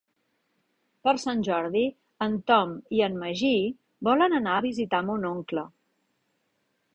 Per Sant Jordi en Tom i en Magí volen anar a visitar mon oncle.